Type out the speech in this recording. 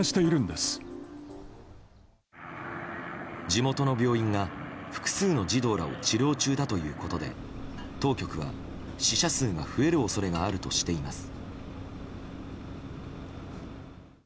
地元の病院が複数の児童らを治療中だということで当局は死者数が増える恐れがあるとしています。